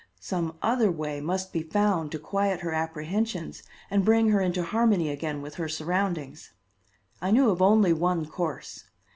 Some other way must be found to quiet her apprehensions and bring her into harmony again with her surroundings. I knew of only one course.